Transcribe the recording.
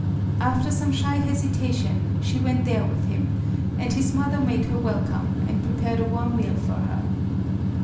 After some shy hesitation, she went there with him; and his mother made her welcome, and prepared a warm meal for her.